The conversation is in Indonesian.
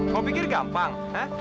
kau pikir gampang ha